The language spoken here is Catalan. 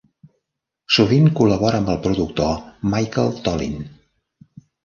Sovint col·labora amb el productor Michael Tollin.